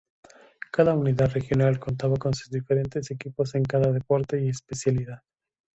Cada unidad regional contaba con sus diferentes equipos en cada deporte y especialidad.